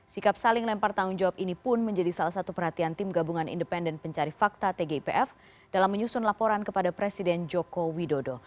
sikap saling lempar tanggung jawab ini pun menjadi salah satu perhatian tim gabungan independen pencari fakta tgipf dalam menyusun laporan kepada presiden joko widodo